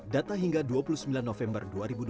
data hingga dua puluh sembilan november dua ribu dua puluh